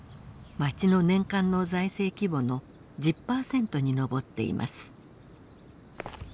町の年間の財政規模の１０％に上っています。